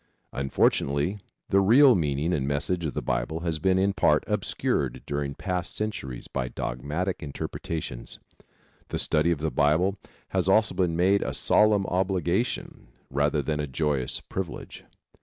Unfortunately, the real meaning and message of the Bible has been in part obscured during past centuries by dogmatic interpretations. The study of the Bible has also been made a solemn obligation rather than a joyous privilege.